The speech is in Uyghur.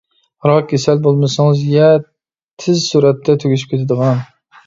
راك كېسەل بولمىسىڭىز يە تېز سۈرئەتتە تۈگىشىپ كېتىدىغان.